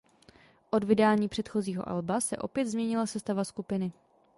Od vydání předchozího alba se opět změnila sestava skupiny.